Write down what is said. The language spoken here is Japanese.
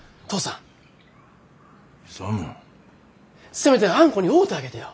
せめてあんこに会うたげてよ。